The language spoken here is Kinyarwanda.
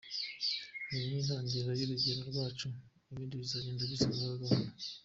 Iri ni itangiriro ry’urugendo rwacu, ibindi bizagenda biza gahoro gahoro.